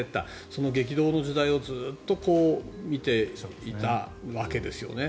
その激動の時代をずっと見ていたわけですよね。